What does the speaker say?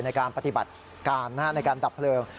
ในการปฏิบัติการในการดับเพลิง